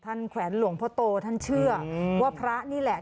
แขวนหลวงพ่อโตท่านเชื่อว่าพระนี่แหละ